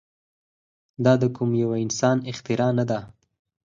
دا د کوم يوه انسان اختراع نه ده.